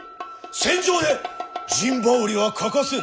戦場で陣羽織は欠かせぬ。